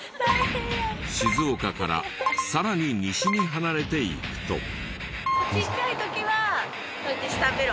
静岡からさらに西に離れていくと。